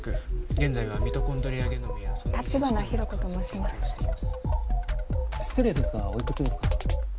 現在はミトコンドリアゲノムや立花弘子と申します失礼ですがおいくつですか？